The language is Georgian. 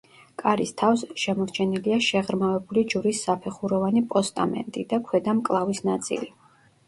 კარის თავზე, შემორჩენილია შეღრმავებული ჯვრის საფეხუროვანი პოსტამენტი და ქვედა მკლავის ნაწილი.